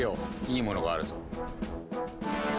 いいものがあるぞ。